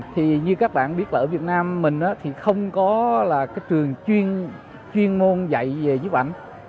thì như các bạn biết là ở việt nam mình thì không có trường chuyên môn dạy về nhíp ảnh